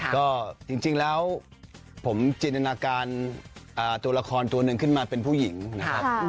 ก็จริงแล้วผมจินตนาการตัวละครตัวหนึ่งขึ้นมาเป็นผู้หญิงนะครับ